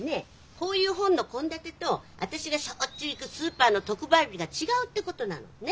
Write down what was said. こういう本の献立と私がしょっちゅう行くスーパーの特売日が違うってことなの。ね？